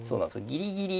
ギリギリ。